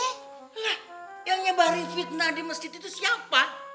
nah yang nyebarin fitnah di masjid itu siapa